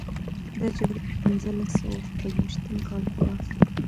دا جګړه په پنځلس سوه او شپږویشتم کال کې وه.